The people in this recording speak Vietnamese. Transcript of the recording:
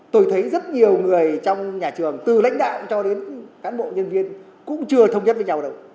tôi thấy rất nhiều người trong nhà trường từ lãnh đạo cho đến cán bộ nhân viên cũng chưa thống nhất với nhau đâu